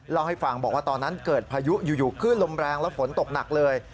เล่าให้ฟังบอกว่าตอนนั้นเกิดพายุอยู่ขึ้นลมแรงแล้วฝนตกหนักเลย